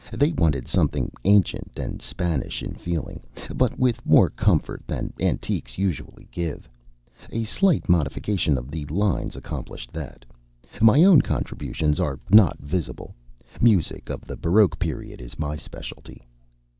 They wanted something ancient and Spanish in feeling, but with more comfort than antiques usually give. A slight modification of the lines accomplished that. My own contributions are not visible. Music of the baroque period is my specialty."